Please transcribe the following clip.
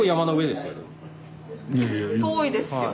遠いですよ。